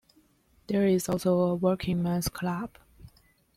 There is also a working men's club.